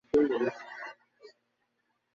গাড়ির গাড়ির চাকা খাওয়ালে কেমন হয়?